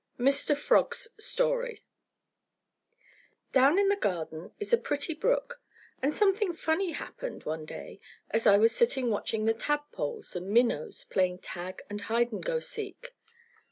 Mr. Frog's Story Down in the garden is a pretty brook, and something funny happened one day as I was sitting watching the tadpoles and minnows playing tag and hide and go seek.